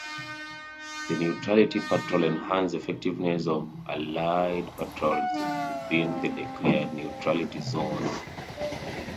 The Neutrality Patrol enhanced effectiveness of Allied patrols within the declared neutrality zone.